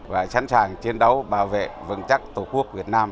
và sẵn sàng chiến đấu bảo vệ vững chắc tổ quốc việt nam